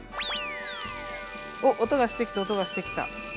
おっ音がしてきた音がしてきた。